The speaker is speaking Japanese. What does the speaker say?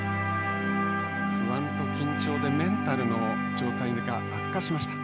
不安と緊張でメンタルの状態が悪化しました。